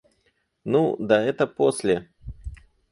Ну, да это после.